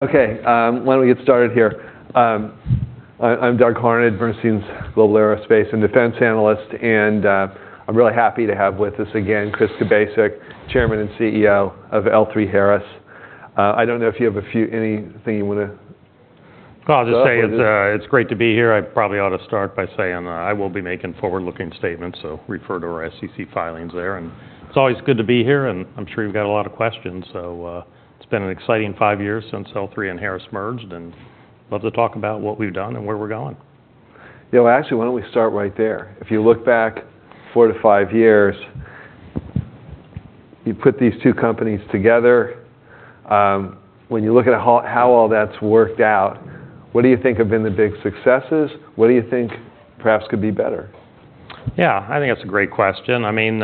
Okay, why don't we get started here. I'm Doug Harned, Bernstein's Global Aerospace and Defense Analyst, and, I'm really happy to have with us again Chris Kubasik, Chairman and CEO of L3Harris. I don't know if you have a few anything you want to— Well, I'll just say it's great to be here. I probably ought to start by saying, I will be making forward-looking statements, so refer to our SEC filings there. And it's always good to be here, and I'm sure you've got a lot of questions, so, it's been an exciting five years since L3 and Harris merged, and love to talk about what we've done and where we're going. You know, actually, why don't we start right there. If you look back four to five years, you put these two companies together, when you look at how all that's worked out, what do you think have been the big successes? What do you think perhaps could be better? Yeah, I think that's a great question. I mean,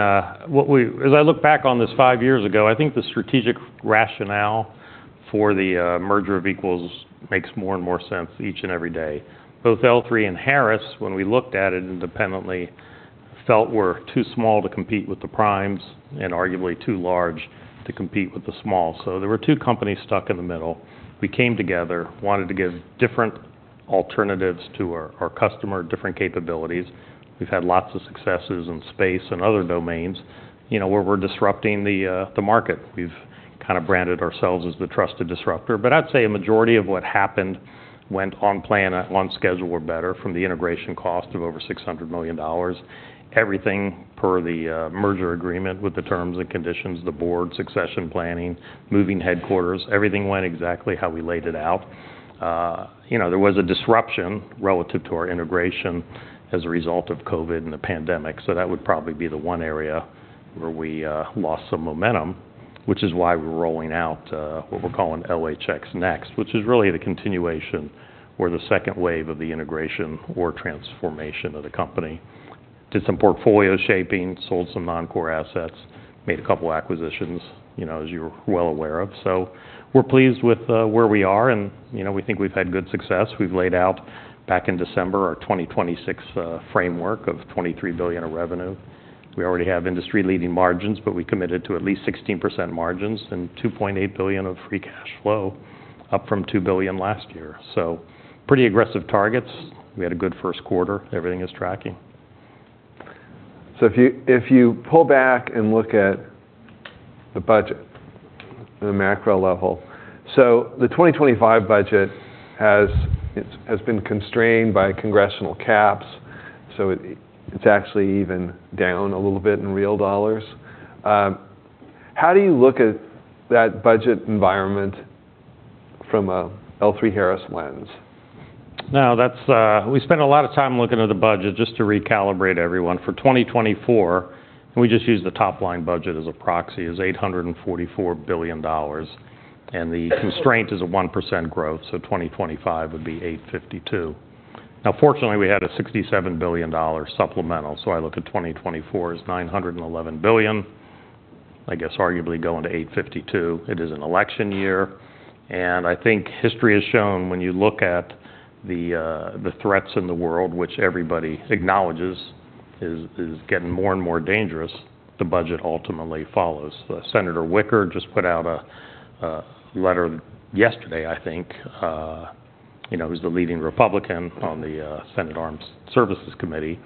what we—as I look back on this five years ago, I think the strategic rationale for the merger of equals makes more and more sense each and every day. Both L3 and Harris, when we looked at it independently, felt we're too small to compete with the primes, and arguably too large to compete with the small. So there were two companies stuck in the middle. We came together, wanted to give different alternatives to our customer, different capabilities. We've had lots of successes in space and other domains, you know, where we're disrupting the market. We've kind of branded ourselves as the trusted disruptor. But I'd say a majority of what happened went on plan, on schedule or better, from the integration cost of over $600 million. Everything per the merger agreement, with the terms and conditions, the board, succession planning, moving headquarters, everything went exactly how we laid it out. You know, there was a disruption relative to our integration as a result of COVID and the pandemic, so that would probably be the one area where we lost some momentum, which is why we're rolling out what we're calling LHX NeXT, which is really the continuation or the second wave of the integration or transformation of the company. Did some portfolio shaping, sold some non-core assets, made a couple acquisitions, you know, as you're well aware of. So we're pleased with where we are, and, you know, we think we've had good success. We've laid out, back in December, our 2026 framework of $23 billion of revenue. We already have industry-leading margins, but we committed to at least 16% margins and $2.8 billion of free cash flow, up from $2 billion last year. So pretty aggressive targets. We had a good first quarter. Everything is tracking. If you pull back and look at the budget at a macro level, so the 2025 budget has been constrained by congressional caps, so it's actually even down a little bit in real dollars. How do you look at that budget environment from an L3Harris lens? No, that's. We spent a lot of time looking at the budget just to recalibrate everyone. For 2024, and we just use the top-line budget as a proxy, is $844 billion, and the constraint is a 1% growth, so 2025 would be $852 billion. Now, fortunately, we had a $67 billion supplemental, so I look at 2024 as $911 billion. I guess arguably going to $852 billion. It is an election year. And I think history has shown, when you look at the threats in the world, which everybody acknowledges is getting more and more dangerous, the budget ultimately follows. Senator Wicker just put out a letter yesterday, I think, you know, who's the leading Republican on the Senate Armed Services Committee,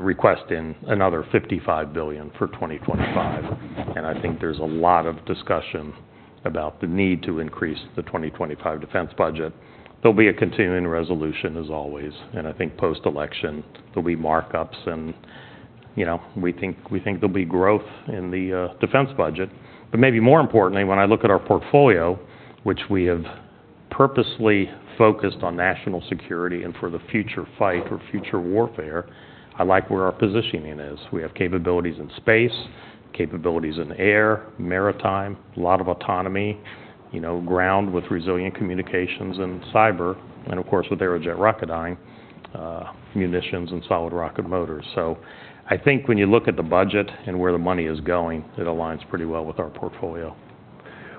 requesting another $55 billion for 2025. And I think there's a lot of discussion about the need to increase the 2025 defense budget. There'll be a continuing resolution, as always, and I think post-election there'll be markups and, you know, we think there'll be growth in the defense budget. But maybe more importantly, when I look at our portfolio, which we have purposely focused on national security and for the future fight or future warfare, I like where our positioning is. We have capabilities in space, capabilities in air, maritime, a lot of autonomy, you know, ground with resilient communications and cyber, and of course with Aerojet Rocketdyne, munitions and solid rocket motors. So I think when you look at the budget and where the money is going, it aligns pretty well with our portfolio.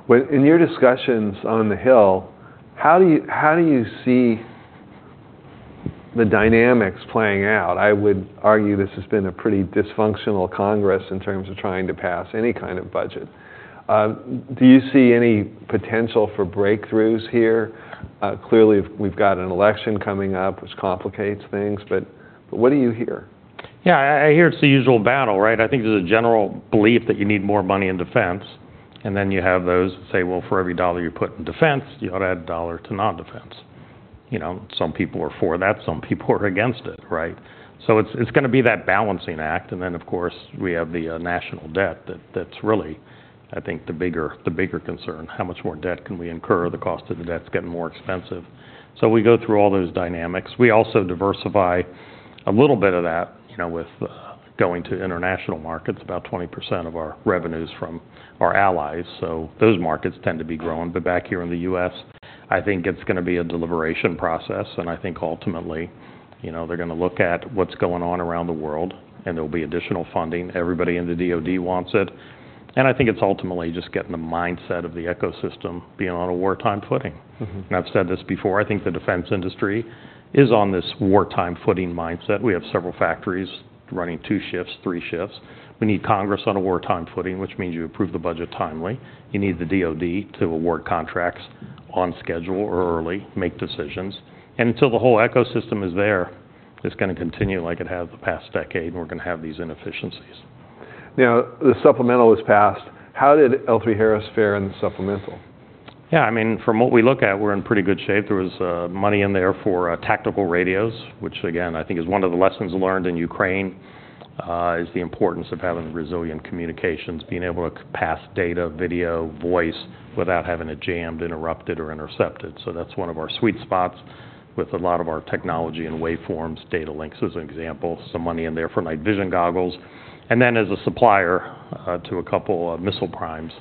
Well, in your discussions on the Hill, how do you see the dynamics playing out? I would argue this has been a pretty dysfunctional Congress in terms of trying to pass any kind of budget. Do you see any potential for breakthroughs here? Clearly we've got an election coming up, which complicates things, but what do you hear? Yeah, I hear it's the usual battle, right? I think there's a general belief that you need more money in defense, and then you have those that say, well, for every dollar you put in defense, you ought to add a dollar to non-defense. You know, some people are for that, some people are against it, right? So it's going to be that balancing act, and then of course we have the national debt that's really, I think, the bigger concern. How much more debt can we incur? The cost of the debt's getting more expensive. So we go through all those dynamics. We also diversify a little bit of that, you know, with going to international markets, about 20% of our revenues from our allies, so those markets tend to be growing. But back here in the U.S., I think it's going to be a deliberation process, and I think ultimately, you know, they're going to look at what's going on around the world, and there'll be additional funding. Everybody in the DoD wants it. I think it's ultimately just getting the mindset of the ecosystem being on a wartime footing. I've said this before, I think the defense industry is on this wartime footing mindset. We have several factories running two shifts, three shifts. We need Congress on a wartime footing, which means you approve the budget timely. You need the DoD to award contracts on schedule or early, make decisions. Until the whole ecosystem is there, it's going to continue like it has the past decade, and we're going to have these inefficiencies. Now, the supplemental was passed. How did L3Harris fare in the supplemental? Yeah, I mean, from what we look at, we're in pretty good shape. There was money in there for tactical radios, which again, I think is one of the lessons learned in Ukraine, is the importance of having resilient communications, being able to pass data, video, voice without having it jammed, interrupted, or intercepted. So that's one of our sweet spots with a lot of our technology and waveforms, data links as an example, some money in there for night vision goggles. Then as a supplier to a couple of missile primes,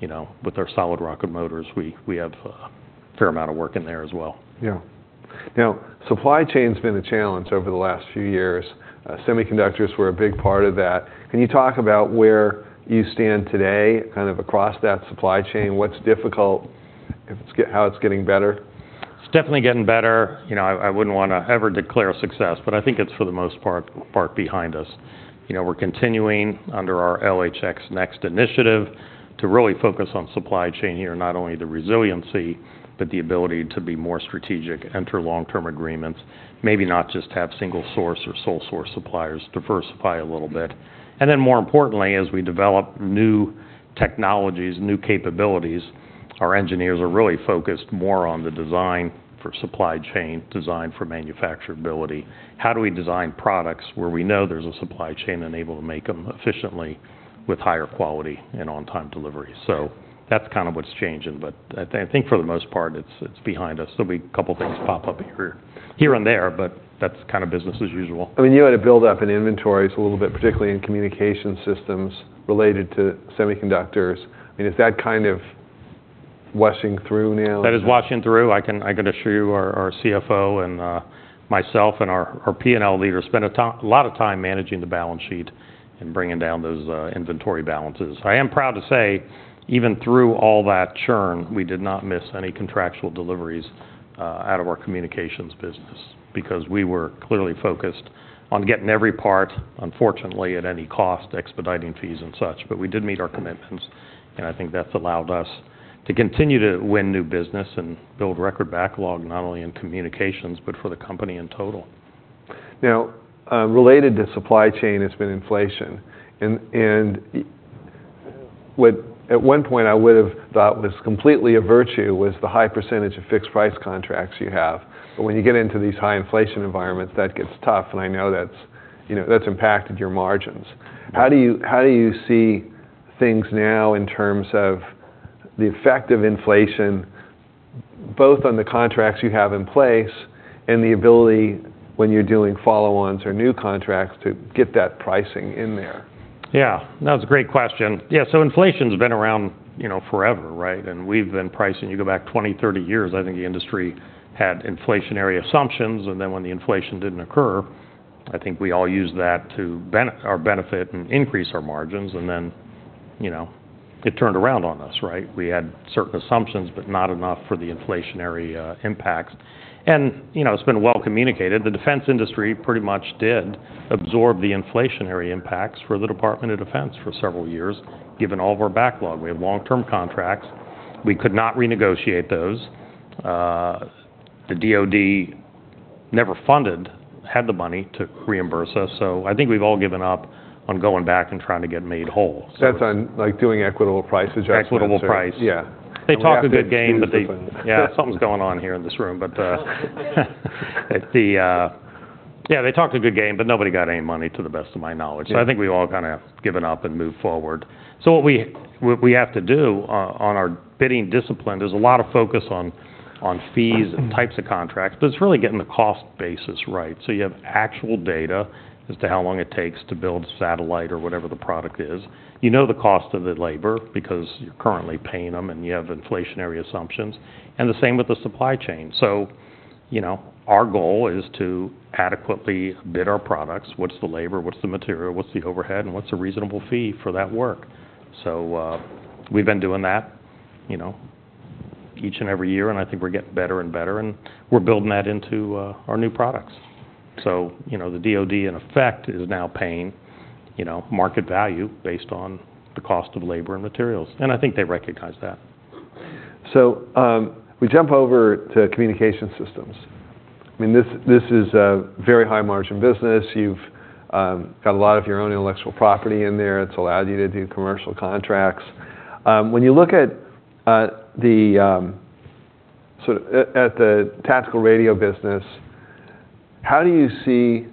you know, with our solid rocket motors, we have a fair amount of work in there as well. Yeah. Now, supply chain's been a challenge over the last few years. Semiconductors were a big part of that. Can you talk about where you stand today, kind of across that supply chain? What's difficult? How it's getting better? It's definitely getting better. You know, I wouldn't want to ever declare a success, but I think it's for the most part behind us. You know, we're continuing under our LHX NeXT initiative to really focus on supply chain here, not only the resiliency, but the ability to be more strategic, enter long-term agreements, maybe not just have single source or sole source suppliers, diversify a little bit. And then more importantly, as we develop new technologies, new capabilities, our engineers are really focused more on the design for supply chain, design for manufacturability. How do we design products where we know there's a supply chain and able to make them efficiently with higher quality and on-time delivery? So that's kind of what's changing, but I think for the most part it's behind us. There'll be a couple things pop up here and there, but that's kind of business as usual. I mean, you had to build up in inventories a little bit, particularly in communication systems related to semiconductors. I mean, is that kind of washing through now? That is washing through. I can assure you our CFO and myself and our P&L leader spent a lot of time managing the balance sheet and bringing down those inventory balances. I am proud to say, even through all that churn, we did not miss any contractual deliveries out of our communications business because we were clearly focused on getting every part, unfortunately, at any cost, expediting fees and such. But we did meet our commitments, and I think that's allowed us to continue to win new business and build record backlog, not only in communications, but for the company in total. Now, related to supply chain, it's been inflation. And at one point, I would have thought was completely a virtue was the high percentage of fixed price contracts you have. But when you get into these high inflation environments, that gets tough, and I know that's, you know, that's impacted your margins. How do you see things now in terms of the effect of inflation, both on the contracts you have in place and the ability, when you're doing follow-ons or new contracts, to get that pricing in there? Yeah, that was a great question. Yeah, so inflation's been around, you know, forever, right? And we've been pricing, you go back 20, 30 years, I think the industry had inflationary assumptions, and then when the inflation didn't occur, I think we all used that to benefit and increase our margins, and then, you know, it turned around on us, right? We had certain assumptions, but not enough for the inflationary impacts. And, you know, it's been well communicated. The defense industry pretty much did absorb the inflationary impacts for the Department of Defense for several years, given all of our backlog. We had long-term contracts. We could not renegotiate those. The DoD never funded, had the money to reimburse us, so I think we've all given up on going back and trying to get made whole. That's on, like, doing equitable prices, actually. Equitable price, yeah. They talk a good game, but they, yeah, something's going on here in this room, but, the, yeah, they talk a good game, but nobody got any money, to the best of my knowledge. So I think we've all kind of given up and moved forward. So what we have to do on our bidding discipline is a lot of focus on fees and types of contracts, but it's really getting the cost basis right. So you have actual data as to how long it takes to build satellite or whatever the product is. You know the cost of the labor because you're currently paying them, and you have inflationary assumptions. And the same with the supply chain. So, you know, our goal is to adequately bid our products. What's the labor? What's the material? What's the overhead? And what's a reasonable fee for that work? So, we've been doing that, you know, each and every year, and I think we're getting better and better, and we're building that into our new products. So, you know, the DoD, in effect, is now paying, you know, market value based on the cost of labor and materials. And I think they recognize that. So, we jump over to communication systems. I mean, this is a very high-margin business. You've got a lot of your own intellectual property in there. It's allowed you to do commercial contracts. When you look at the sort of at the tactical radio business, how do you see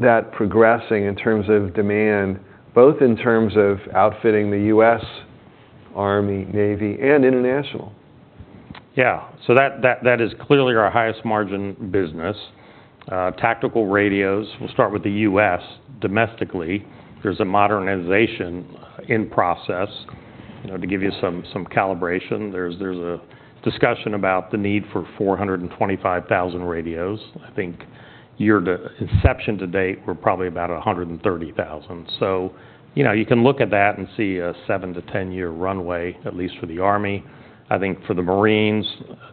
that progressing in terms of demand, both in terms of outfitting the U.S. Army, Navy, and international? Yeah, so that is clearly our highest-margin business. Tactical radios, we'll start with the U.S., domestically, there's a modernization in process. You know, to give you some calibration, there's a discussion about the need for 425,000 radios. I think year to inception to date, we're probably about 130,000. So, you know, you can look at that and see a seven to 10-year runway, at least for the Army. I think for the Marines,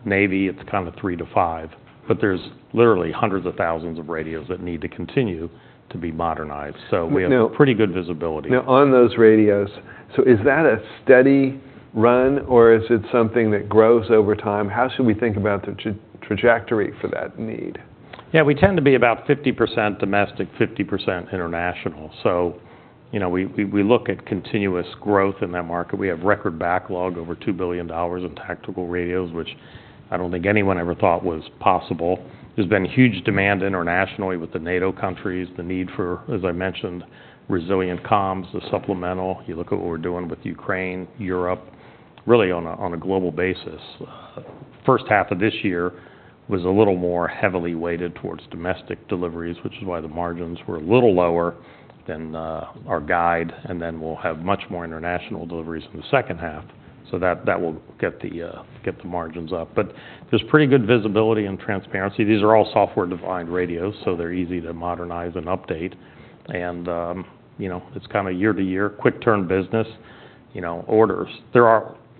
Navy, it's kind of three to five. But there's literally hundreds of thousands of radios that need to continue to be modernized. So we have pretty good visibility. Now, on those radios, so is that a steady run, or is it something that grows over time? How should we think about the trajectory for that need? Yeah, we tend to be about 50% domestic, 50% international. So, you know, we look at continuous growth in that market. We have record backlog over $2 billion in tactical radios, which I don't think anyone ever thought was possible. There's been huge demand internationally with the NATO countries, the need for, as I mentioned, resilient comms, the supplemental. You look at what we're doing with Ukraine, Europe, really on a global basis. First half of this year was a little more heavily weighted towards domestic deliveries, which is why the margins were a little lower than our guide, and then we'll have much more international deliveries in the second half. So that will get the margins up. But there's pretty good visibility and transparency. These are all software-defined radios, so they're easy to modernize and update. And, you know, it's kind of year-to-year, quick-turn business, you know, orders. There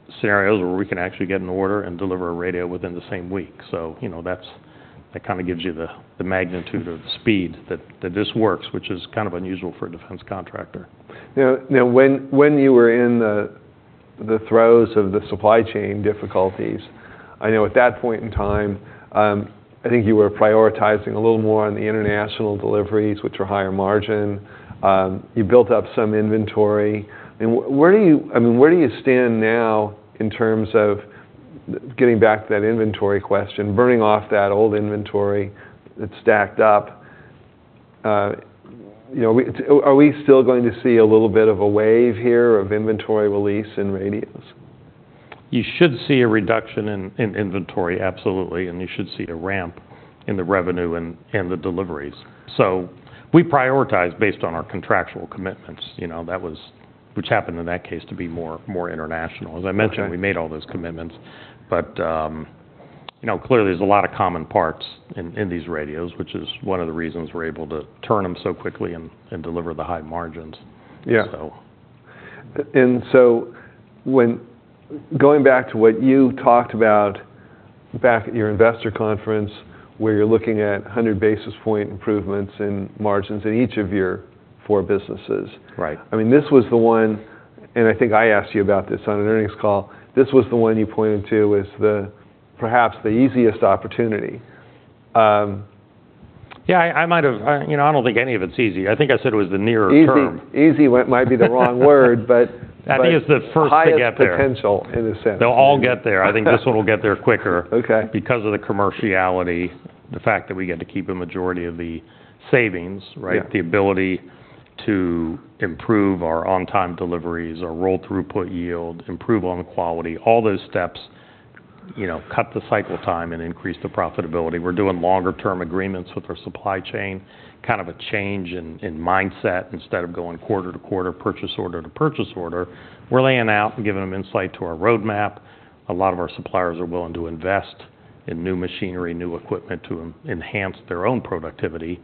are scenarios where we can actually get an order and deliver a radio within the same week. So, you know, that kind of gives you the magnitude of the speed that this works, which is kind of unusual for a defense contractor. Now, when you were in the throes of the supply chain difficulties, I know at that point in time, I think you were prioritizing a little more on the international deliveries, which are higher margin. You built up some inventory. I mean, where do you—I mean, where do you stand now in terms of getting back to that inventory question, burning off that old inventory that's stacked up? You know, are we still going to see a little bit of a wave here of inventory release in radios? You should see a reduction in inventory, absolutely, and you should see a ramp in the revenue and the deliveries. So we prioritize based on our contractual commitments, you know, which happened in that case to be more international. As I mentioned, we made all those commitments. But, you know, clearly there's a lot of common parts in these radios, which is one of the reasons we're able to turn them so quickly and deliver the high margins. Yeah. And so when going back to what you've talked about back at your investor conference, where you're looking at 100 basis points improvements in margins in each of your four businesses. Right. I mean, this was the one - and I think I asked you about this on an earnings call - this was the one you pointed to as perhaps the easiest opportunity. Yeah, I might have, you know, I don't think any of it's easy. I think I said it was the near term. Easy might be the wrong word, but. I think it's the first to get there. Highest potential, in a sense. They'll all get there. I think this one will get there quicker because of the commerciality, the fact that we get to keep a majority of the savings, right? The ability to improve our on-time deliveries, our rolled throughput yield, improve on quality, all those steps, you know, cut the cycle time and increase the profitability. We're doing longer-term agreements with our supply chain, kind of a change in mindset instead of going quarter to quarter, purchase order to purchase order. We're laying out and giving them insight to our roadmap. A lot of our suppliers are willing to invest in new machinery, new equipment to enhance their own productivity,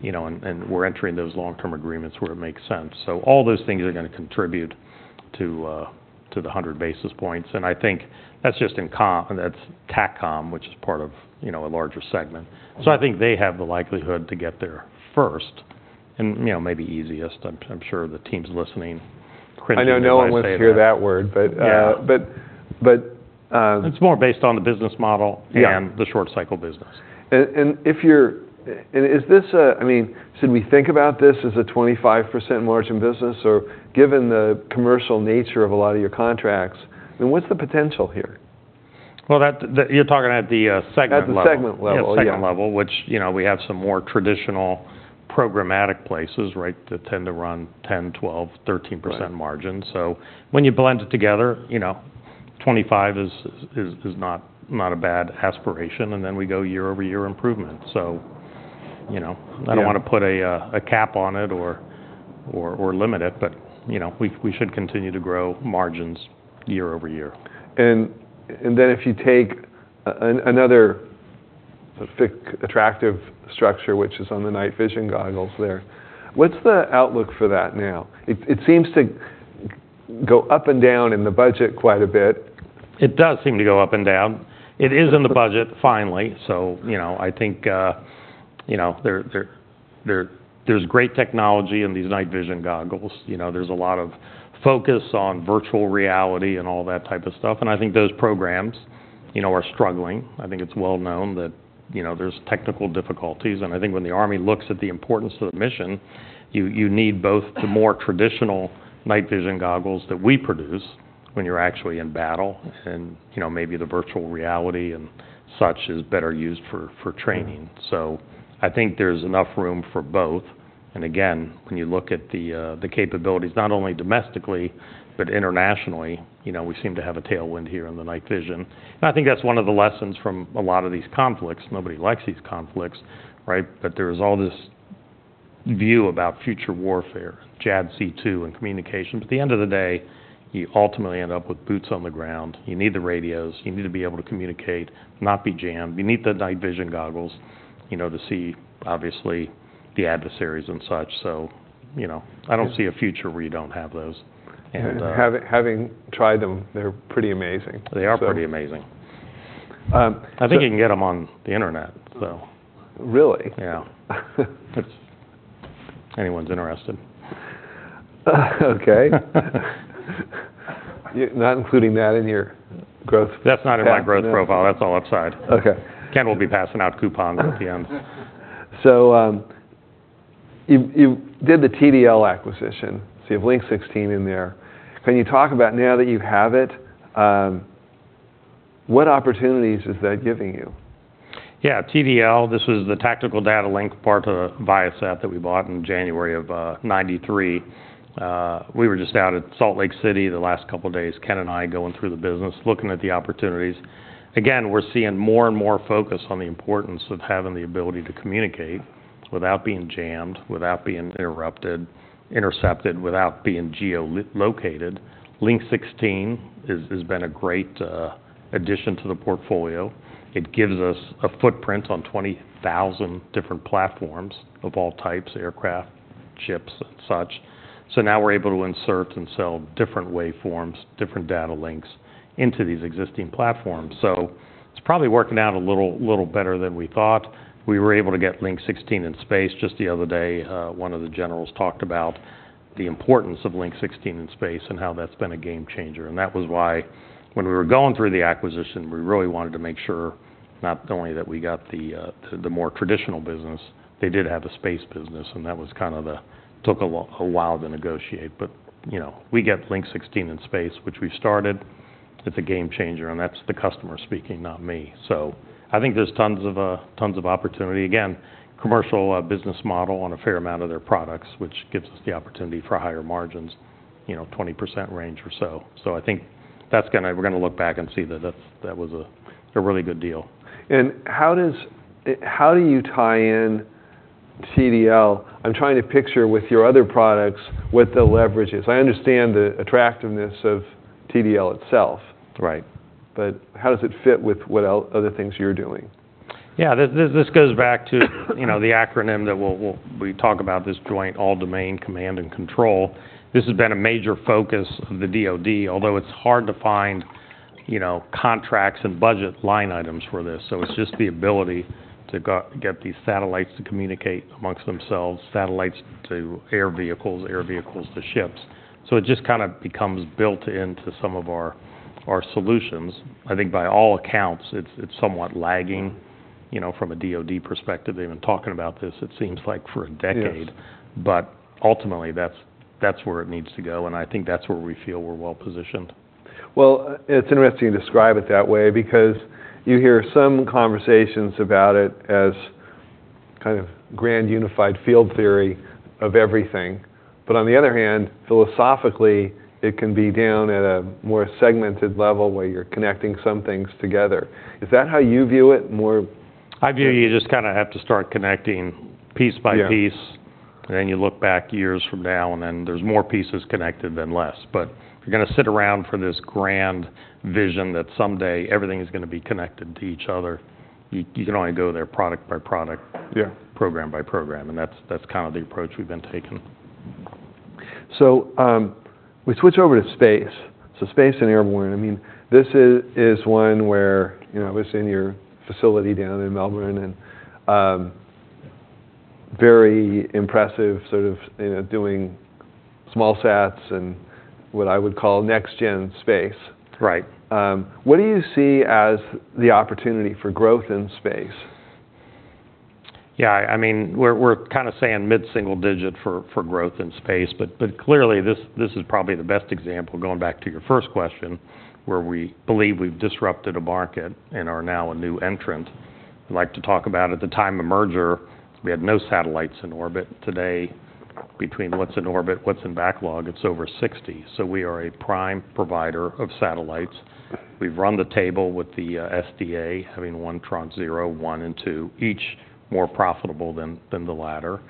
you know, and we're entering those long-term agreements where it makes sense. So all those things are going to contribute to the 100 basis points. And I think that's just in Taccom, which is part of, you know, a larger segment. So I think they have the likelihood to get there first and, you know, maybe easiest. I'm sure the team's listening. I know no one wants to hear that word, but, It's more based on the business model and the short-cycle business. Is this a—I mean, should we think about this as a 25% margin business? Or given the commercial nature of a lot of your contracts, I mean, what's the potential here? Well, that—you're talking at the segment level. At the segment level, yeah. Yeah, segment level, which, you know, we have some more traditional programmatic places, right, that tend to run 10%, 12%, 13% margin. So when you blend it together, you know, 25 is not a bad aspiration, and then we go year-over-year improvement. So, you know, I don't want to put a cap on it or limit it, but, you know, we should continue to grow margins year-over-year. Then if you take another sort of attractive structure, which is on the night vision goggles there, what's the outlook for that now? It seems to go up and down in the budget quite a bit. It does seem to go up and down. It is in the budget, finally. So, you know, I think, you know, there's great technology in these night vision goggles. You know, there's a lot of focus on virtual reality and all that type of stuff. And I think those programs, you know, are struggling. I think it's well known that, you know, there's technical difficulties. And I think when the Army looks at the importance of the mission, you need both the more traditional night vision goggles that we produce when you're actually in battle, and, you know, maybe the virtual reality and such is better used for training. So I think there's enough room for both. And again, when you look at the capabilities, not only domestically, but internationally, you know, we seem to have a tailwind here in the night vision. And I think that's one of the lessons from a lot of these conflicts. Nobody likes these conflicts, right? But there's all this view about future warfare, JADC2, and communication. But at the end of the day, you ultimately end up with boots on the ground. You need the radios. You need to be able to communicate, not be jammed. You need the Night Vision Goggles, you know, to see, obviously, the adversaries and such. So, you know, I don't see a future where you don't have those. And. Having tried them, they're pretty amazing. They are pretty amazing. I think you can get them on the internet, though. Really? Yeah. Anyone's interested. Okay. Not including that in your growth profile? That's not in my growth profile. That's all upside. Okay. Ken will be passing out coupons at the end. So you did the TDL acquisition. So you have Link 16 in there. Can you talk about, now that you have it, what opportunities is that giving you? Yeah, TDL, this was the tactical data link part of the Viasat that we bought in January of 1993. We were just out at Salt Lake City the last couple of days, Ken and I, going through the business, looking at the opportunities. Again, we're seeing more and more focus on the importance of having the ability to communicate without being jammed, without being interrupted, intercepted, without being geolocated. Link 16 has been a great addition to the portfolio. It gives us a footprint on 20,000 different platforms of all types, aircraft, ships, and such. So now we're able to insert and sell different waveforms, different data links into these existing platforms. So it's probably working out a little better than we thought. We were able to get Link 16 in space just the other day. One of the generals talked about the importance of Link 16 in space and how that's been a game changer. That was why, when we were going through the acquisition, we really wanted to make sure not only that we got the more traditional business, they did have a space business, and that was kind of the, it took a while to negotiate. But, you know, we get Link 16 in space, which we've started. It's a game changer, and that's the customer speaking, not me. So I think there's tons of opportunity. Again, commercial business model on a fair amount of their products, which gives us the opportunity for higher margins, you know, 20% range or so. So I think that's going to, we're going to look back and see that that was a really good deal. How do you tie in TDL? I'm trying to picture, with your other products, what the leverage is. I understand the attractiveness of TDL itself. Right. But how does it fit with what other things you're doing? Yeah, this goes back to, you know, the acronym that we talk about, this Joint All-Domain Command and Control. This has been a major focus of the DoD, although it's hard to find, you know, contracts and budget line items for this. So it's just the ability to get these satellites to communicate amongst themselves, satellites to air vehicles, air vehicles to ships. So it just kind of becomes built into some of our solutions. I think, by all accounts, it's somewhat lagging, you know, from a DoD perspective. They've been talking about this, it seems like, for a decade. But ultimately, that's where it needs to go. And I think that's where we feel we're well positioned. Well, it's interesting to describe it that way because you hear some conversations about it as kind of grand unified field theory of everything. But on the other hand, philosophically, it can be down at a more segmented level where you're connecting some things together. Is that how you view it, more? I view you just kind of have to start connecting piece by piece. And then you look back years from now, and then there's more pieces connected than less. But you're going to sit around for this grand vision that someday everything is going to be connected to each other. You can only go there product by product, program by program. And that's kind of the approach we've been taking. So we switch over to space. Space and airborne, I mean, this is one where, you know, I was in your facility down in Melbourne and very impressive sort of doing small sats and what I would call next-gen space. Right. What do you see as the opportunity for growth in space? Yeah, I mean, we're kind of saying mid-single digit for growth in space. But clearly, this is probably the best example, going back to your first question, where we believe we've disrupted a market and are now a new entrant. I'd like to talk about, at the time of merger, we had no satellites in orbit. Today, between what's in orbit, what's in backlog, it's over 60. So we are a prime provider of satellites. We've run the table with the SDA, having one Tranche 0, 1 and 2 each more profitable than the latter.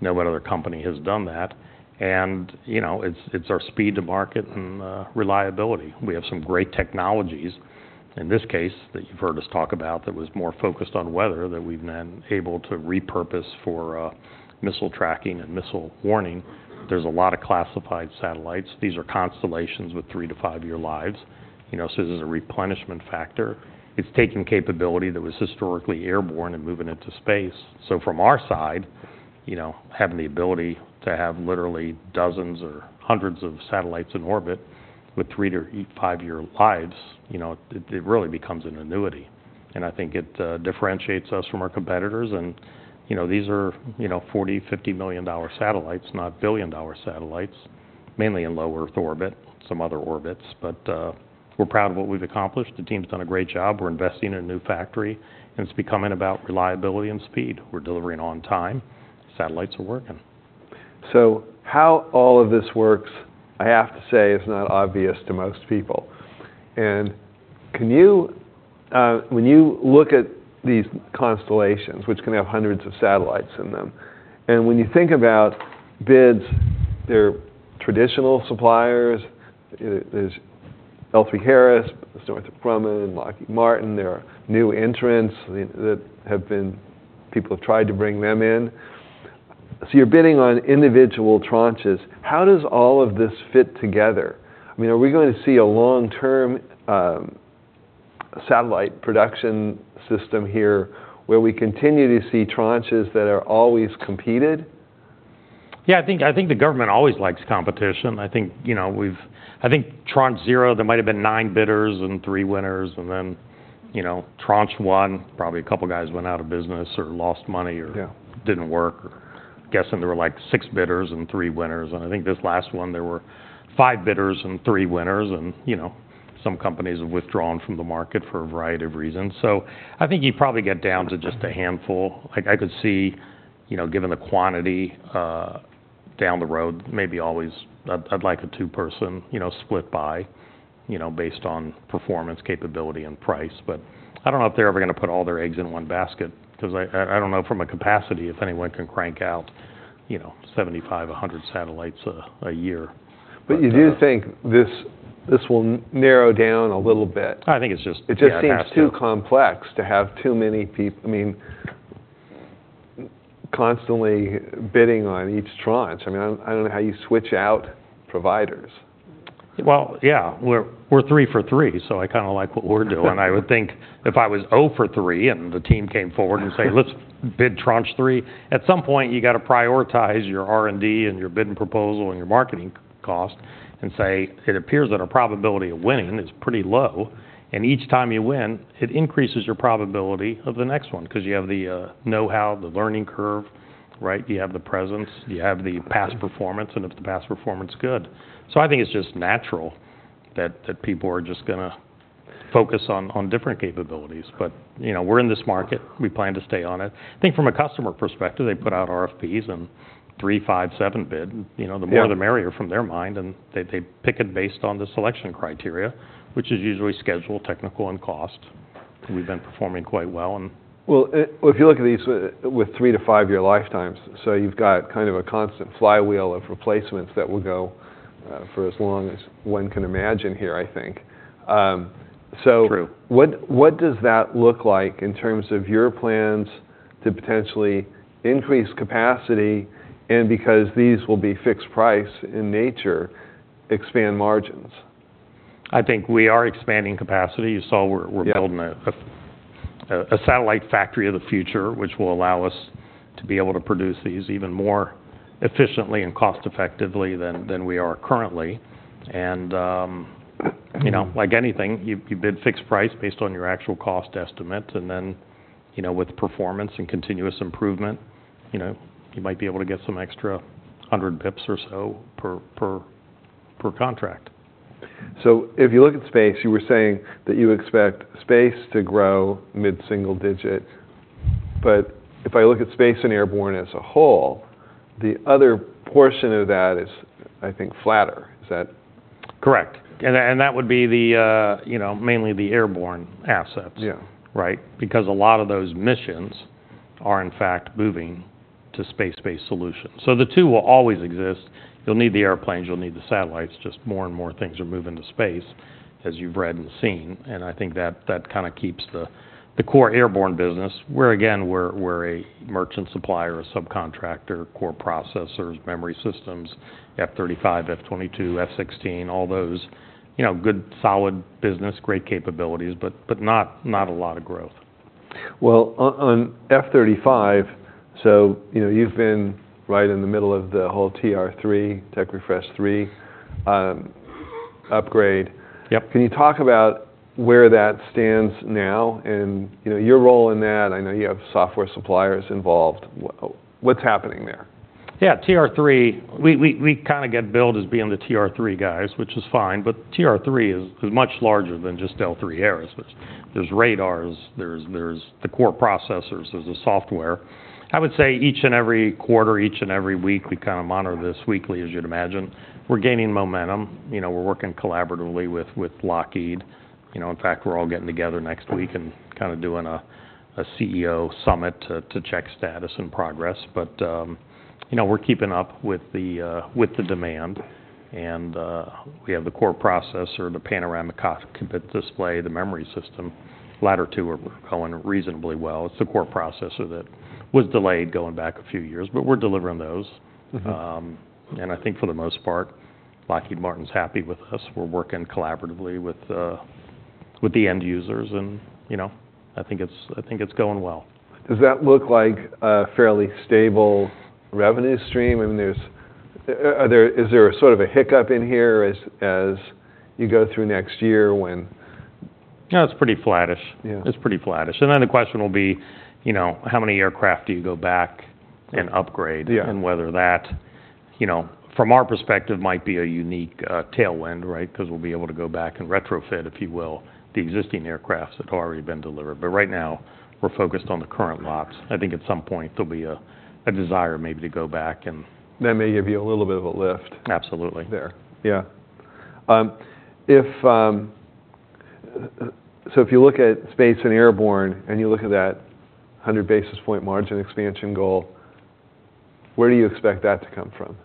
No one other company has done that. And, you know, it's our speed to market and reliability. We have some great technologies, in this case, that you've heard us talk about that was more focused on weather, that we've been able to repurpose for missile tracking and missile warning. There's a lot of classified satellites. These are constellations with 3- to 5-year lives, you know, so there's a replenishment factor. It's taking capability that was historically airborne and moving it to space. So from our side, you know, having the ability to have literally dozens or hundreds of satellites in orbit with three to five-year lives, you know, it really becomes an annuity. And I think it differentiates us from our competitors. And, you know, these are, you know, $40-$50 million satellites, not billion-dollar satellites, mainly in low Earth orbit, some other orbits. But we're proud of what we've accomplished. The team's done a great job. We're investing in a new factory. And it's becoming about reliability and speed. We're delivering on time. Satellites are working. So how all of this works, I have to say, is not obvious to most people. And can you, when you look at these constellations, which can have hundreds of satellites in them, and when you think about bids, they're traditional suppliers. There's L3Harris, Northrop Grumman, Lockheed Martin. There are new entrants that people have tried to bring them in. So you're bidding on individual tranches. How does all of this fit together? I mean, are we going to see a long-term satellite production system here where we continue to see tranches that are always competed? Yeah, I think the government always likes competition. I think, you know, we've—I think Tranche 0, there might have been nine bidders and three winners. And then, you know, Tranche 1, probably a couple of guys went out of business or lost money or didn't work. Guessing there were like six bidders and three winners. And I think this last one, there were five bidders and three winners. And, you know, some companies have withdrawn from the market for a variety of reasons. So I think you probably get down to just a handful. I could see, you know, given the quantity down the road, maybe always I'd like a two-person, you know, split by, you know, based on performance, capability, and price. But I don't know if they're ever going to put all their eggs in one basket because I don't know from a capacity if anyone can crank out, you know, 75, 100 satellites a year. But you do think this will narrow down a little bit? I think it just seems too complex to have too many people. I mean, constantly bidding on each tranche. I mean, I don't know how you switch out providers. Well, yeah, we're three for three. So I kind of like what we're doing. I would think if I was 0 for three and the team came forward and said, "Let's bid Tranche 3," at some point, you got to prioritize your R&D and your bid and proposal and your marketing cost and say, "It appears that our probability of winning is pretty low." And each time you win, it increases your probability of the next one because you have the know-how, the learning curve, right? You have the presence. You have the past performance. And if the past performance is good. So I think it's just natural that people are just going to focus on different capabilities. You know, we're in this market. We plan to stay on it. I think from a customer perspective, they put out RFPs and three, five, seven bid. You know, the more the merrier from their mind. They pick it based on the selection criteria, which is usually schedule, technical, and cost. We've been performing quite well. Well, if you look at these with three to five-year lifetimes, so you've got kind of a constant flywheel of replacements that will go for as long as one can imagine here, I think. So what does that look like in terms of your plans to potentially increase capacity and, because these will be fixed price in nature, expand margins? I think we are expanding capacity. You saw we're building a satellite factory of the future, which will allow us to be able to produce these even more efficiently and cost-effectively than we are currently. And, you know, like anything, you bid fixed price based on your actual cost estimate. And then, you know, with performance and continuous improvement, you know, you might be able to get some extra 100 basis point or so per contract. So if you look at space, you were saying that you expect space to grow mid-single digit. But if I look at space and airborne as a whole, the other portion of that is, I think, flatter. Is that? Correct. That would be the, you know, mainly the airborne assets, right? Because a lot of those missions are, in fact, moving to space-based solutions. So the two will always exist. You'll need the airplanes. You'll need the satellites. Just more and more things are moving to space, as you've read and seen. And I think that kind of keeps the core airborne business, where, again, we're a merchant supplier, a subcontractor, core processors, memory systems, F-35, F-22, F-16, all those, you know, good, solid business, great capabilities, but not a lot of growth. Well, on F-35, so, you know, you've been right in the middle of the whole TR-3, Technology Refresh 3 upgrade. Can you talk about where that stands now and, you know, your role in that? I know you have software suppliers involved. What's happening there? Yeah, TR-3, we kind of get billed as being the TR-3 guys, which is fine. But TR-3 is much larger than just L3Harris, which there's radars, there's the core processors, there's the software. I would say each and every quarter, each and every week, we kind of monitor this weekly, as you'd imagine. We're gaining momentum. You know, we're working collaboratively with Lockheed. You know, in fact, we're all getting together next week and kind of doing a CEO summit to check status and progress. But, you know, we're keeping up with the demand. And we have the core processor, the panoramic display, the memory system. Latter two, we're going reasonably well. It's the core processor that was delayed going back a few years, but we're delivering those. And I think, for the most part, Lockheed Martin's happy with us. We're working collaboratively with the end users. You know, I think it's going well. Does that look like a fairly stable revenue stream? I mean, is there a sort of a hiccup in here as you go through next year when? No, it's pretty flatish. It's pretty flatish. And then the question will be, you know, how many aircraft do you go back and upgrade and whether that, you know, from our perspective, might be a unique tailwind, right? Because we'll be able to go back and retrofit, if you will, the existing aircraft that have already been delivered. But right now, we're focused on the current lots. I think at some point, there'll be a desire maybe to go back and. That may give you a little bit of a lift. Absolutely. There. Yeah. So if you look at space and airborne and you look at that 100 basis points margin expansion goal, where do you expect that to come from?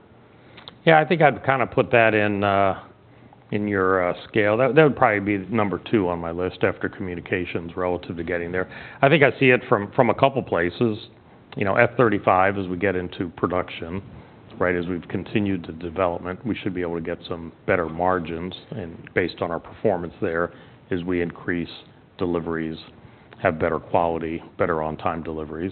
Yeah, I think I'd kind of put that in your scale. That would probably be number two on my list after communications relative to getting there. I think I see it from a couple of places. You know, F-35, as we get into production, right, as we've continued the development, we should be able to get some better margins. And based on our performance there, as we increase deliveries, have better quality, better on-time deliveries.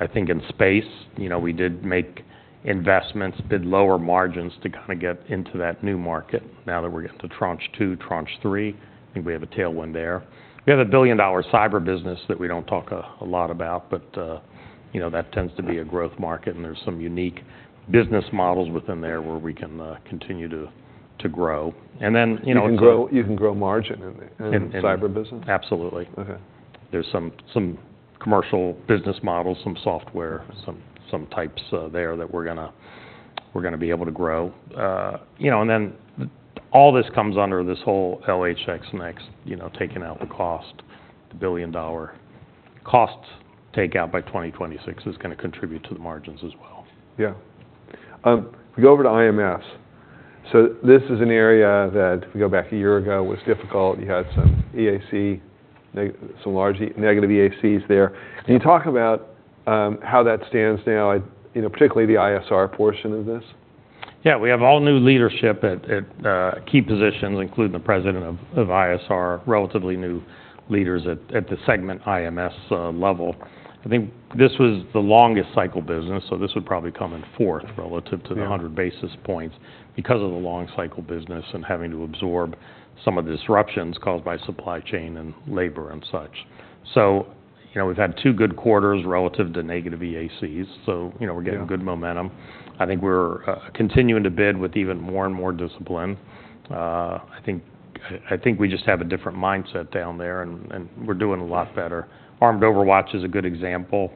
I think in space, you know, we did make investments, bid lower margins to kind of get into that new market. Now that we're getting to Tranche 2, Tranche 3, I think we have a tailwind there. We have a billion-dollar cyber business that we don't talk a lot about. But, you know, that tends to be a growth market. And there's some unique business models within there where we can continue to grow. And then, you know. You can grow margin in cyber business? Absolutely. There's some commercial business models, some software, some types there that we're going to be able to grow. You know, and then all this comes under this whole LHX NeXT, you know, taking out the cost, the billion-dollar cost takeout by 2026 is going to contribute to the margins as well. Yeah. If we go over to IMS. So this is an area that, if we go back a year ago, was difficult. You had some EAC, some large negative EACs there. Can you talk about how that stands now, you know, particularly the ISR portion of this? Yeah, we have all new leadership at key positions, including the president of ISR, relatively new leaders at the segment IMS level. I think this was the longest cycle business. So this would probably come in fourth relative to the 100 basis points because of the long cycle business and having to absorb some of the disruptions caused by supply chain and labor and such. So, you know, we've had two good quarters relative to negative EACs. So, you know, we're getting good momentum. I think we're continuing to bid with even more and more discipline. I think we just have a different mindset down there. And we're doing a lot better. Armed Overwatch is a good example.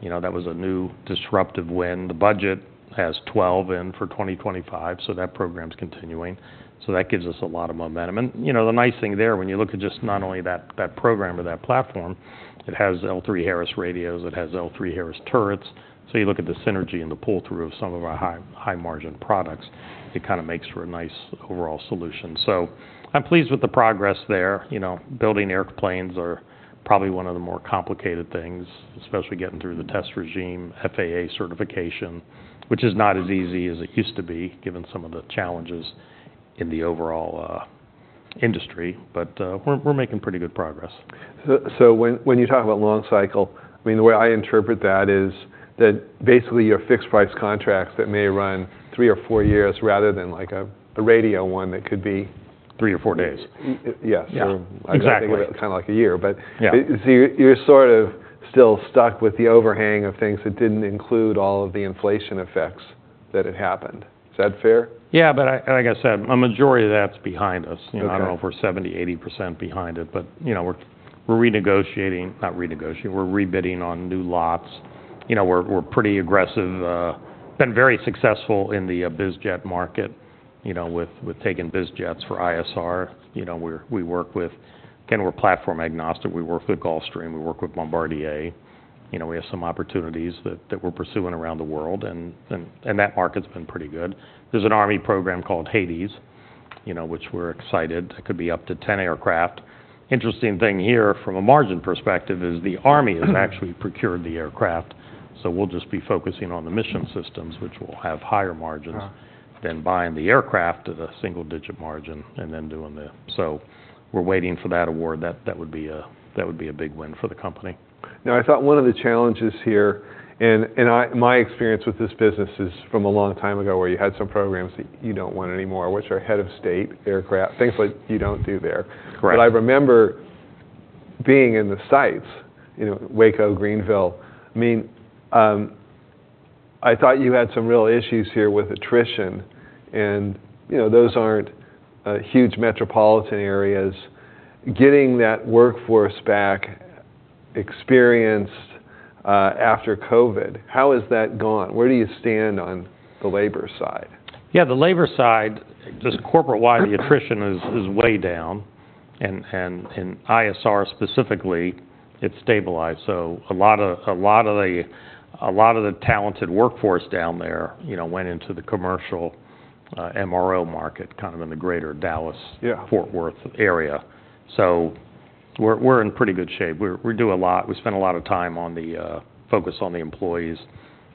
You know, that was a new disruptive win. The budget has 12 in for 2025. So that program's continuing. So that gives us a lot of momentum. You know, the nice thing there, when you look at just not only that program or that platform, it has L3Harris radios. It has L3Harris turrets. So you look at the synergy and the pull-through of some of our high-margin products, it kind of makes for a nice overall solution. So I'm pleased with the progress there. You know, building airplanes are probably one of the more complicated things, especially getting through the test regime, FAA certification, which is not as easy as it used to be, given some of the challenges in the overall industry. But we're making pretty good progress. When you talk about long cycle, I mean, the way I interpret that is that basically you have fixed-price contracts that may run 3 or 4 years rather than like a radio one that could be 3 or 4 days. Yes. Yeah, exactly. Kind of like a year. But you're sort of still stuck with the overhang of things that didn't include all of the inflation effects that had happened. Is that fair? Yeah, but like I said, a majority of that's behind us. You know, I don't know if we're 70%-80% behind it. But, you know, we're renegotiating, not renegotiating, we're rebidding on new lots. You know, we're pretty aggressive, been very successful in the BizJet market, you know, with taking BizJets for ISR. You know, we work with, again, we're platform agnostic. We work with Gulfstream. We work with Bombardier. You know, we have some opportunities that we're pursuing around the world. And that market's been pretty good. There's an Army program called HADES, you know, which we're excited. That could be up to 10 aircraft. Interesting thing here from a margin perspective is the Army has actually procured the aircraft. So we'll just be focusing on the mission systems, which will have higher margin than buying the aircraft at a single-digit margin and then doing the. So we're waiting for that award. That would be a big win for the company. Now, I thought one of the challenges here, and my experience with this business is from a long time ago where you had some programs that you don't want anymore, which are head-of-state aircraft, things like you don't do there. But I remember being in the sites, you know, Waco, Greenville. I mean, I thought you had some real issues here with attrition. And, you know, those aren't huge metropolitan areas. Getting that workforce back experienced after COVID, how has that gone? Where do you stand on the labor side? Yeah, the labor side, just corporate-wide, the attrition is way down. And in ISR specifically, it's stabilized. So a lot of the talented workforce down there, you know, went into the commercial MRO market, kind of in the greater Dallas, Fort Worth area. So we're in pretty good shape. We do a lot. We spend a lot of time on the focus on the employees,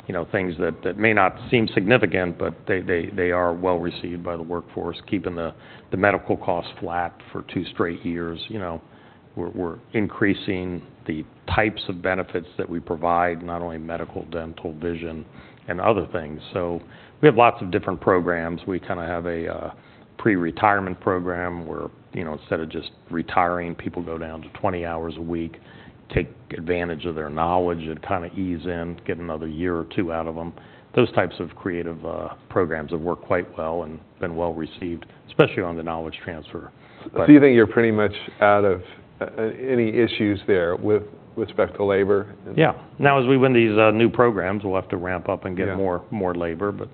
you know, things that may not seem significant, but they are well received by the workforce, keeping the medical costs flat for two straight years. You know, we're increasing the types of benefits that we provide, not only medical, dental, vision, and other things. So we have lots of different programs. We kind of have a pre-retirement program where, you know, instead of just retiring, people go down to 20 hours a week, take advantage of their knowledge and kind of ease in, get another year or two out of them. Those types of creative programs have worked quite well and been well received, especially on the knowledge transfer. You think you're pretty much out of any issues there with respect to labor? Yeah. Now, as we win these new programs, we'll have to ramp up and get more labor. But,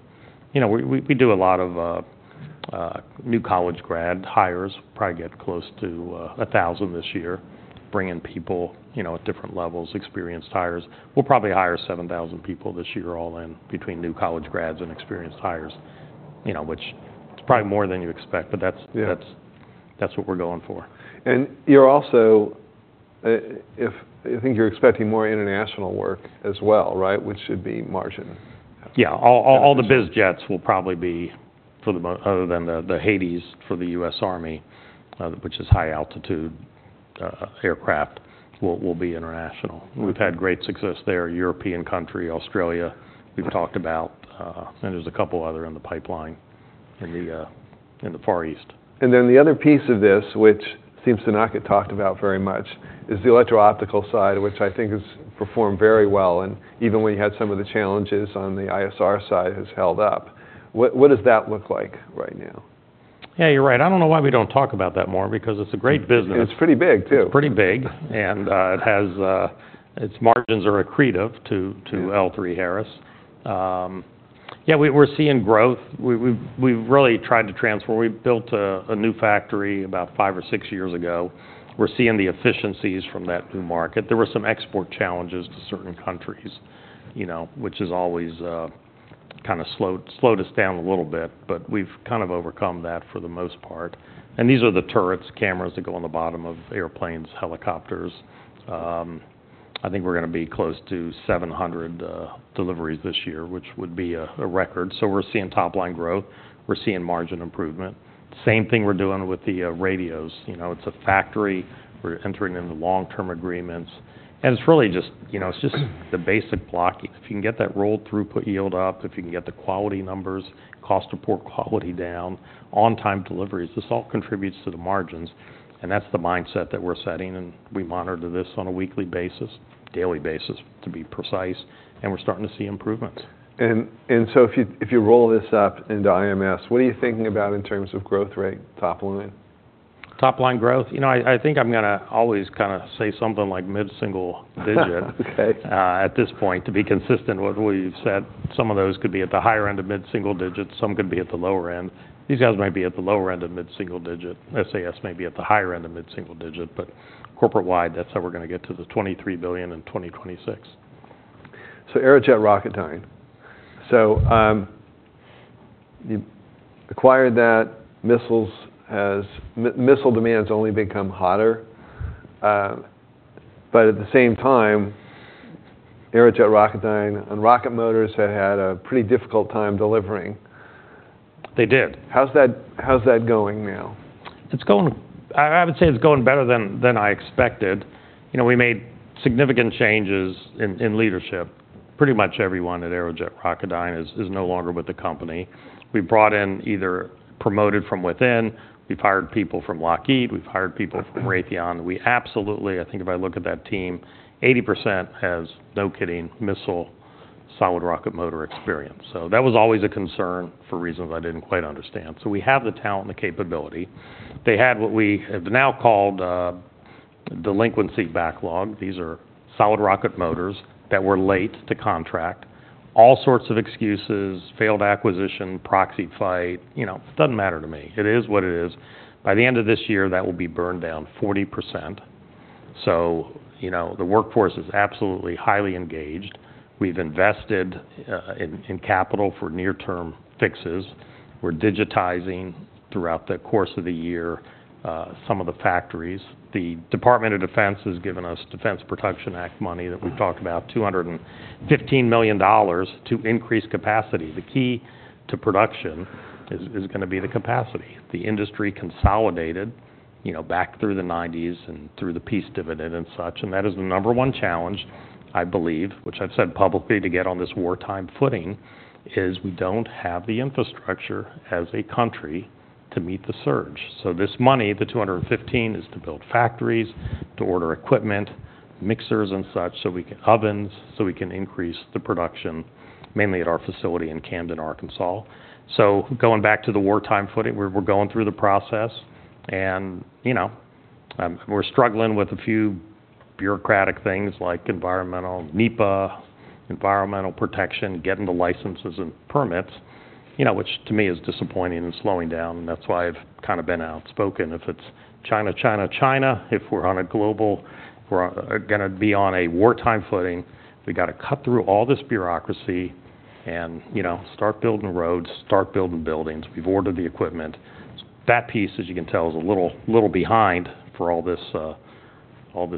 you know, we do a lot of new college grad hires, probably get close to 1,000 this year, bringing people, you know, at different levels, experienced hires. We'll probably hire 7,000 people this year all in between new college grads and experienced hires, you know, which is probably more than you expect. But that's what we're going for. You're also, I think you're expecting more international work as well, right, which should be margin. Yeah, all the BizJets will probably be, other than the HADES for the U.S. Army, which is high-altitude aircraft, international. We've had great success there, European country, Australia, we've talked about, and there's a couple other in the pipeline in the Far East. And then the other piece of this, which seems to not get talked about very much, is the electro-optical side, which I think has performed very well. And even when you had some of the challenges on the ISR side has held up. What does that look like right now? Yeah, you're right. I don't know why we don't talk about that more because it's a great business. It's pretty big, too. Pretty big. Its margins are accretive to L3Harris. Yeah, we're seeing growth. We've really tried to transfer. We built a new factory about 5 or 6 years ago. We're seeing the efficiencies from that new market. There were some export challenges to certain countries, you know, which has always kind of slowed us down a little bit. But we've kind of overcome that for the most part. These are the turrets, cameras that go on the bottom of airplanes, helicopters. I think we're going to be close to 700 deliveries this year, which would be a record. So we're seeing top-line growth. We're seeing margin improvement. Same thing we're doing with the radios. You know, it's a factory. We're entering into long-term agreements. And it's really just, you know, it's just the basic block. If you can get that roll-through, put yield up, if you can get the quality numbers, cost of poor quality, on-time deliveries, this all contributes to the margins. And that's the mindset that we're setting. And we monitor this on a weekly basis, daily basis, to be precise. And we're starting to see improvements. If you roll this up into IMS, what are you thinking about in terms of growth rate, top-line? Top-line growth. You know, I think I'm going to always kind of say something like mid-single digit at this point to be consistent with what we've set. Some of those could be at the higher end of mid-single digits. Some could be at the lower end. These guys might be at the lower end of mid-single digit. SAS may be at the higher end of mid-single digit. But corporate-wide, that's how we're going to get to the $23 billion in 2026. So Aerojet Rocketdyne. So you acquired that. Missile demand has only become hotter. But at the same time, Aerojet Rocketdyne and rocket motors have had a pretty difficult time delivering. They did. How's that going now? I would say it's going better than I expected. You know, we made significant changes in leadership. Pretty much everyone at Aerojet Rocketdyne is no longer with the company. We've brought in either promoted from within. We've hired people from Lockheed. We've hired people from Raytheon. We absolutely, I think if I look at that team, 80% has, no kidding, missile solid rocket motor experience. So that was always a concern for reasons I didn't quite understand. So we have the talent and the capability. They had what we have now called delinquency backlog. These are solid rocket motors that were late to contract. All sorts of excuses, failed acquisition, proxy fight. You know, it doesn't matter to me. It is what it is. By the end of this year, that will be burned down 40%. So, you know, the workforce is absolutely highly engaged. We've invested in capital for near-term fixes. We're digitizing throughout the course of the year some of the factories. The Department of Defense has given us Defense Production Act money that we've talked about, $215 million to increase capacity. The key to production is going to be the capacity. The industry consolidated, you know, back through the '90s and through the peace dividend and such. And that is the number one challenge, I believe, which I've said publicly, to get on this wartime footing is we don't have the infrastructure as a country to meet the surge. So this money, the $215, is to build factories, to order equipment, mixers and such, so we can buy ovens, so we can increase the production, mainly at our facility in Camden, Arkansas. So going back to the wartime footing, we're going through the process. You know, we're struggling with a few bureaucratic things like environmental NEPA, environmental protection, getting the licenses and permits, you know, which to me is disappointing and slowing down. And that's why I've kind of been outspoken. If it's China, China, China, if we're on a global, we're going to be on a wartime footing. We've got to cut through all this bureaucracy and, you know, start building roads, start building buildings. We've ordered the equipment. That piece, as you can tell, is a little behind for all this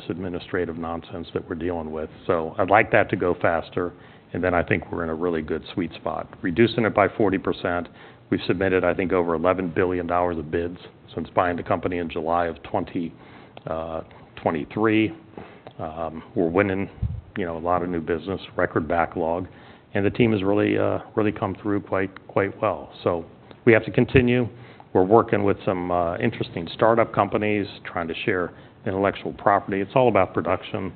administrative nonsense that we're dealing with. So I'd like that to go faster. And then I think we're in a really good sweet spot. Reducing it by 40%. We've submitted, I think, over $11 billion of bids since buying the company in July of 2023. We're winning, you know, a lot of new business, record backlog. And the team has really come through quite well. So we have to continue. We're working with some interesting startup companies, trying to share intellectual property. It's all about production.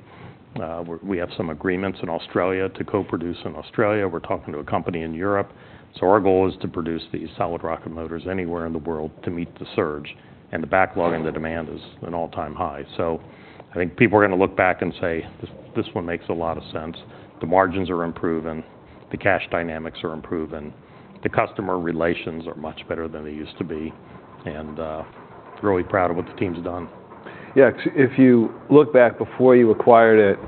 We have some agreements in Australia to co-produce in Australia. We're talking to a company in Europe. So our goal is to produce these solid rocket motors anywhere in the world to meet the surge. And the backlog and the demand is an all-time high. So I think people are going to look back and say, this one makes a lot of sense. The margins are improving. The cash dynamics are improving. The customer relations are much better than they used to be. And we're really proud of what the team's done. Yeah, if you look back before you acquired it,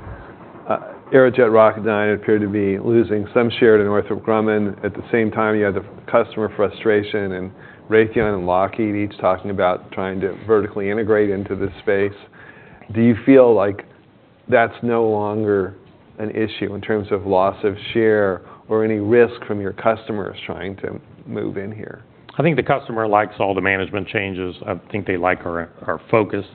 Aerojet Rocketdyne appeared to be losing some share to Northrop Grumman. At the same time, you had the customer frustration and Raytheon and Lockheed each talking about trying to vertically integrate into this space. Do you feel like that's no longer an issue in terms of loss of share or any risk from your customers trying to move in here? I think the customer likes all the management changes. I think they like our focus.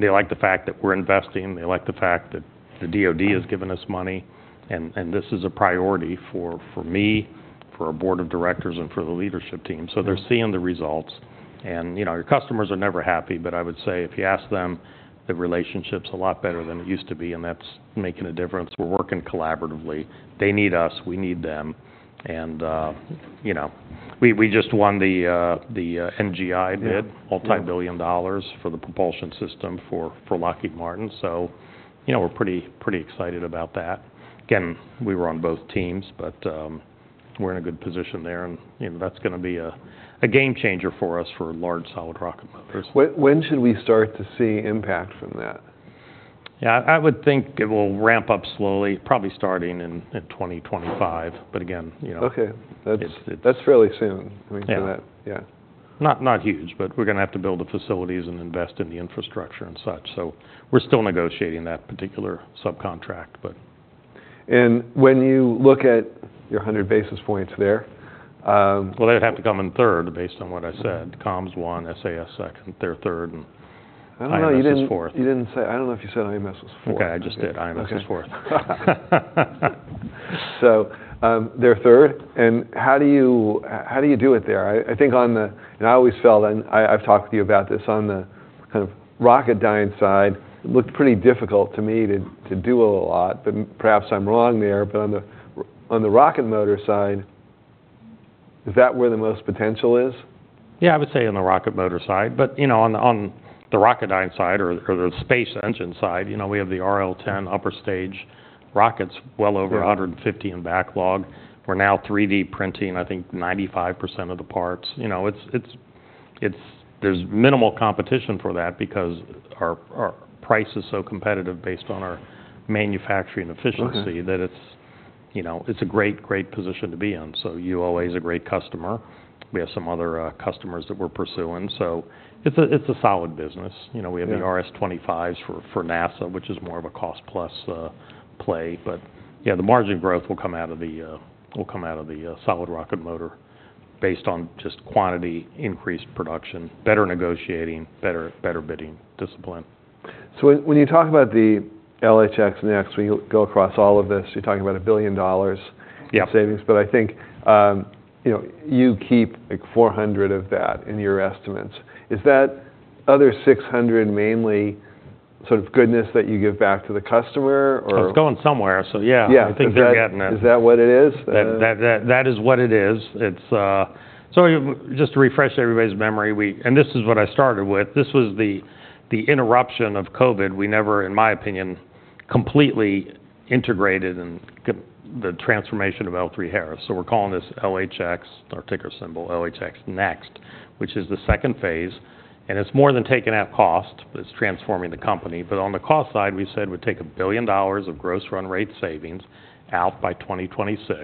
They like the fact that we're investing. They like the fact that the DoD has given us money. This is a priority for me, for our board of directors, and for the leadership team. They're seeing the results. You know, your customers are never happy. But I would say if you ask them, the relationship's a lot better than it used to be. That's making a difference. We're working collaboratively. They need us. We need them. You know, we just won the NGI bid, multi-billion dollars for the propulsion system for Lockheed Martin. You know, we're pretty excited about that. Again, we were on both teams. But we're in a good position there. You know, that's going to be a game changer for us for large solid rocket motors. When should we start to see impact from that? Yeah, I would think it will ramp up slowly, probably starting in 2025. But again, you know. Okay. That's fairly soon. I mean, yeah. Not huge. But we're going to have to build the facilities and invest in the infrastructure and such. So we're still negotiating that particular subcontract. When you look at your 100 basis points there. Well, they'd have to come in third based on what I said. Comms one, SAS second, they're third. And I don't know. You didn't say. I don't know if you said IMS was fourth. Okay, I just did. IMS was fourth. So they're third. And how do you do it there? I think, I always felt and I've talked with you about this on the kind of Rocketdyne side, it looked pretty difficult to me to do a lot. But perhaps I'm wrong there. But on the rocket motor side, is that where the most potential is? Yeah, I would say on the rocket motor side. But, you know, on the Rocketdyne side or the space engine side, you know, we have the RL10 upper stage rockets, well over 150 in backlog. We're now 3D printing, I think, 95% of the parts. You know, there's minimal competition for that because our price is so competitive based on our manufacturing efficiency that it's, you know, it's a great, great position to be on. So ULA is a great customer. We have some other customers that we're pursuing. So it's a solid business. You know, we have the RS-25s for NASA, which is more of a cost-plus play. But, yeah, the margin growth will come out of the solid rocket motor based on just quantity, increased production, better negotiating, better bidding discipline. So when you talk about the LHX NeXT, when you go across all of this, you're talking about $1 billion savings. But I think, you know, you keep like 400 of that in your estimates. Is that other 600 mainly sort of goodness that you give back to the customer? It's going somewhere. So, yeah, I think they're getting it. Is that what it is? That is what it is. So just to refresh everybody's memory, we and this is what I started with. This was the interruption of COVID. We never, in my opinion, completely integrated in the transformation of L3Harris. So we're calling this LHX, our ticker symbol, LHX NeXT, which is the second phase. And it's more than taking at cost. It's transforming the company. But on the cost side, we said we'd take $1 billion of gross run rate savings out by 2026.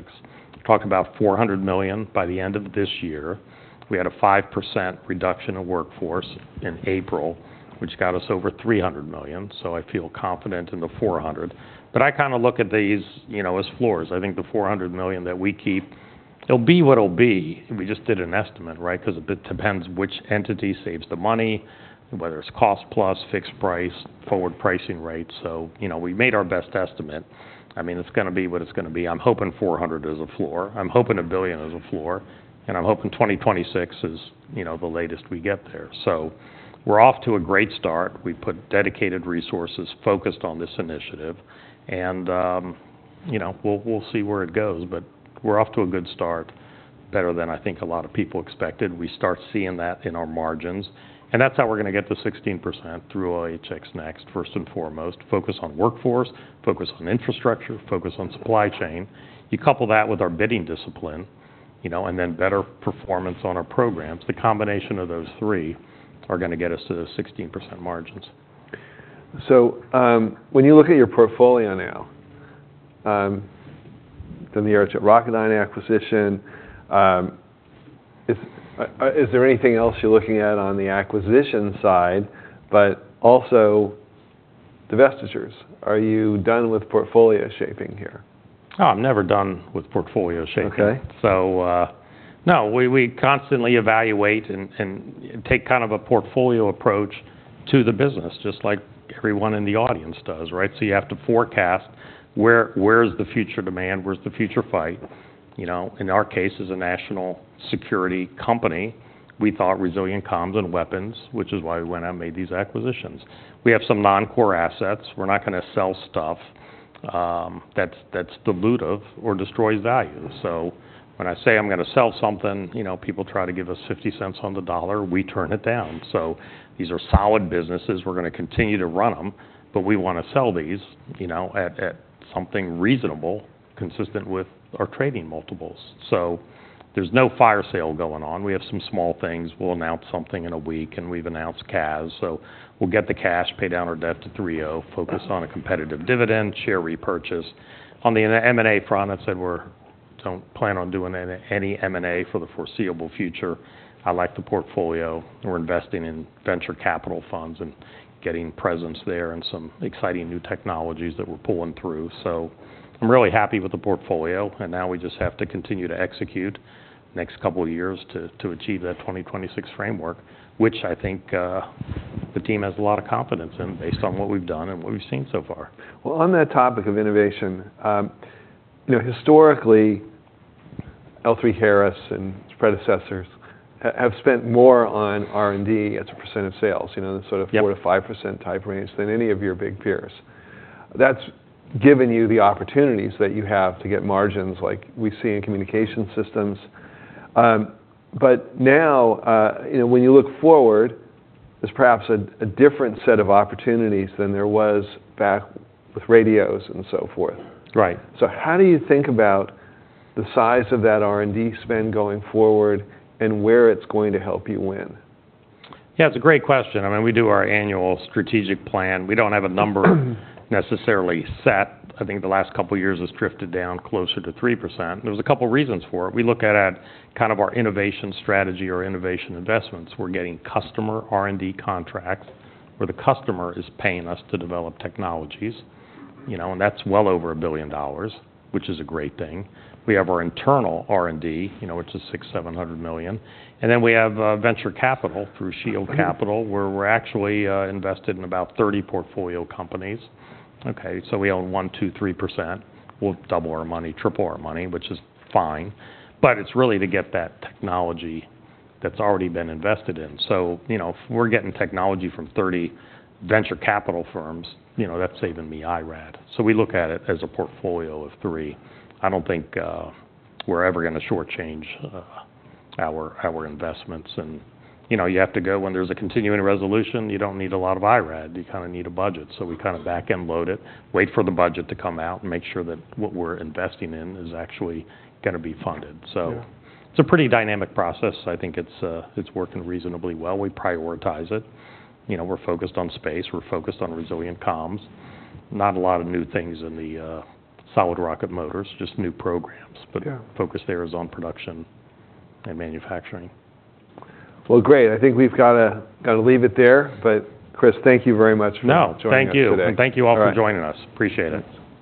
Talk about $400 million by the end of this year. We had a 5% reduction in workforce in April, which got us over $300 million. So I feel confident in the $400 million. But I kind of look at these, you know, as floors. I think the $400 million that we keep, it'll be what it'll be. We just did an estimate, right? Because it depends which entity saves the money, whether it's cost-plus, fixed price, forward pricing rate. So, you know, we made our best estimate. I mean, it's going to be what it's going to be. I'm hoping $400 million is a floor. I'm hoping $1 billion is a floor. And I'm hoping 2026 is, you know, the latest we get there. So we're off to a great start. We put dedicated resources focused on this initiative. And, you know, we'll see where it goes. But we're off to a good start, better than I think a lot of people expected. We start seeing that in our margins. And that's how we're going to get to 16% through LHX NeXT, first and foremost. Focus on workforce, focus on infrastructure, focus on supply chain. You couple that with our bidding discipline, you know, and then better performance on our programs. The combination of those three are going to get us to the 16% margins. When you look at your portfolio now, then the Aerojet Rocketdyne acquisition, is there anything else you're looking at on the acquisition side, but also divestitures? Are you done with portfolio shaping here? Oh, I'm never done with portfolio shaping. So, no, we constantly evaluate and take kind of a portfolio approach to the business, just like everyone in the audience does, right? So you have to forecast where is the future demand, where's the future fight. You know, in our case, as a national security company, we thought resilient comms and weapons, which is why we went out and made these acquisitions. We have some non-core assets. We're not going to sell stuff that's dilutive or destroys value. So when I say I'm going to sell something, you know, people try to give us $0.50 on the dollar. We turn it down. So these are solid businesses. We're going to continue to run them. But we want to sell these, you know, at something reasonable, consistent with our trading multiples. So there's no fire sale going on. We have some small things. We'll announce something in a week. And we've announced CAS. So we'll get the cash, pay down our debt to 3.0, focus on a competitive dividend, share repurchase. On the M&A front, I said we don't plan on doing any M&A for the foreseeable future. I like the portfolio. We're investing in venture capital funds and getting presence there and some exciting new technologies that we're pulling through. So I'm really happy with the portfolio. And now we just have to continue to execute next couple of years to achieve that 2026 framework, which I think the team has a lot of confidence in based on what we've done and what we've seen so far. Well, on that topic of innovation, you know, historically, L3Harris and its predecessors have spent more on R&D as a percent of sales, you know, sort of 4%-5% type range than any of your big peers. That's given you the opportunities that you have to get margins like we see in communication systems. But now, you know, when you look forward, there's perhaps a different set of opportunities than there was back with radios and so forth. Right. How do you think about the size of that R&D spend going forward and where it's going to help you win? Yeah, it's a great question. I mean, we do our annual strategic plan. We don't have a number necessarily set. I think the last couple of years has drifted down closer to 3%. There's a couple of reasons for it. We look at kind of our innovation strategy or innovation investments. We're getting customer R&D contracts where the customer is paying us to develop technologies, you know, and that's well over $1 billion, which is a great thing. We have our internal R&D, you know, which is $600 million-$700 million. And then we have venture capital through Shield Capital, where we're actually invested in about 30 portfolio companies. Okay, so we own 1%, 2%, 3%. We'll double our money, triple our money, which is fine. But it's really to get that technology that's already been invested in. So, you know, if we're getting technology from 30 venture capital firms, you know, that's saving me IRAD. So we look at it as a portfolio of three. I don't think we're ever going to shortchange our investments. You know, you have to go when there's a continuing resolution. You don't need a lot of IRAD. You kind of need a budget. So we kind of back-end load it, wait for the budget to come out, and make sure that what we're investing in is actually going to be funded. So it's a pretty dynamic process. I think it's working reasonably well. We prioritize it. You know, we're focused on space. We're focused on resilient comms. Not a lot of new things in the solid rocket motors, just new programs, but focus there is on production and manufacturing. Well, great. I think we've got to leave it there. But, Chris, thank you very much for joining us today. No, thank you. Thank you all for joining us. Appreciate it.